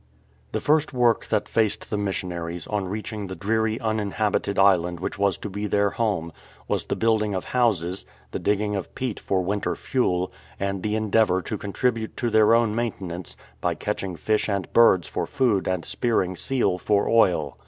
The first work that faced the missionaries, on reaching the dreary uninhabited island which was to be their home, was the building of houses, the digging of peat for winter fuel, and the endeavour to contribute to their own main tenance by catching fish and birds for food and spearing seal for oil.